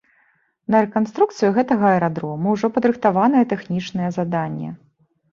На рэканструкцыю гэтага аэрадрома ўжо падрыхтаванае тэхнічнае заданне.